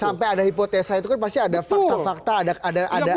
sampai ada hipotesa itu kan pasti ada fakta fakta ada